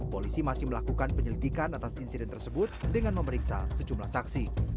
polisi masih melakukan penyelidikan atas insiden tersebut dengan memeriksa sejumlah saksi